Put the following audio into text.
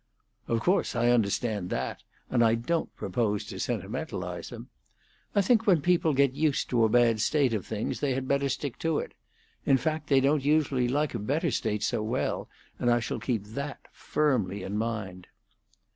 "Of course, I understand that, and I don't propose to sentimentalize them. I think when people get used to a bad state of things they had better stick to it; in fact, they don't usually like a better state so well, and I shall keep that firmly in mind."